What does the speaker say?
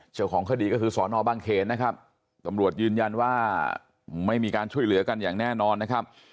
เจ้าของคดีก็คือสอนอบางเขนนะครับตำรวจยืนยันว่าไม่มีการช่วยเหลือกันอย่างแน่นอนนะครับ